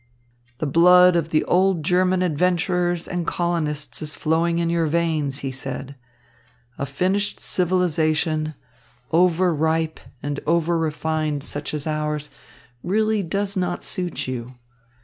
"The blood of the old German adventurers and colonists is flowing in your veins," he said. "A finished civilisation, over ripe and over refined such as ours, really does not suit you.